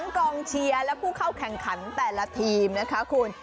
กองเชียร์และผู้เข้าแข่งขันแต่ละทีมนะคะคุณ